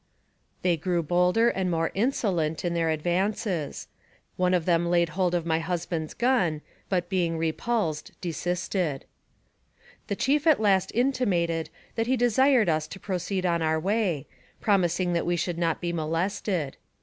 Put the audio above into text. They grew bolder and more insolent in their ad 24 NAEKATIVE OF CAPTIVITY vances. One of them laid hold of my husband's gun, but, being repulsed, desisted. The chief at last intimated that he desired us to pro ceed on our way, promising that we should not be molested.